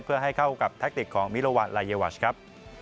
เพื่อให้เข้ากับแทคติกของมิลวัลลายวัชครับ